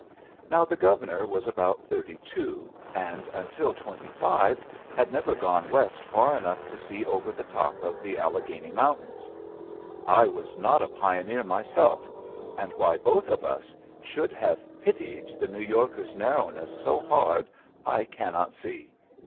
Now the Governor was about thirty two, and until twenty five had never gone West far enough to see over the top of the Alleghany Mountains. I was not a pioneer myself; and why both of us should have pitied the New Yorker's narrowness so hard I cannot see.